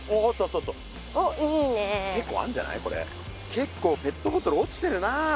けっこうペットボトル落ちてるなあ。